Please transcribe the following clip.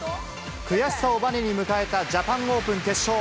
悔しさをばねに迎えたジャパンオープン決勝。